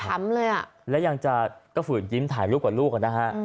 เลยอ่ะแล้วยังจะก็ฝืนยิ้มถ่ายรูปกับลูกอ่ะนะฮะ